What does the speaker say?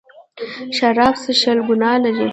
شراب څښل ګناه لري.